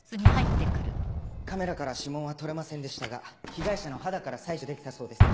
カメラから指紋は採れませんでしたが被害者の肌から採取できたそうです。